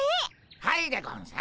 はいでゴンス。